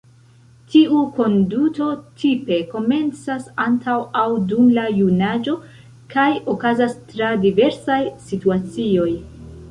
Tiu konduto tipe komencas antaŭ aŭ dum la junaĝo, kaj okazas tra diversaj situacioj.